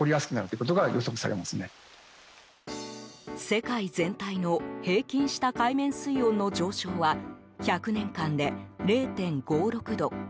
世界全体の平均した海面水上の上昇は１００年間で０．５６度。